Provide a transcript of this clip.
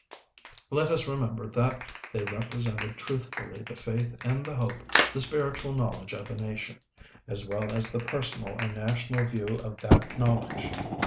Let us remember that they represented truthfully the faith and the hope, the spiritual knowledge of a nation, as well as the personal and national view of that knowledge.